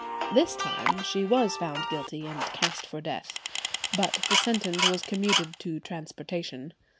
This time she was found guilty and cast for death, but the sentence was commuted to transportation.